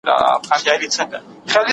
د اوبو په واسطه ذهن تازه کیږي.